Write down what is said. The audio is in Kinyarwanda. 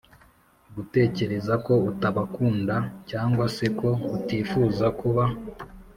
gutekereza ko utabakunda cyangwa se ko utifuza kuba